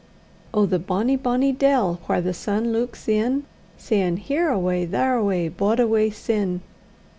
Oh! the bonny, bonny dell, whaur the sun luiks in, Sayin', Here awa', there awa', baud awa', sin!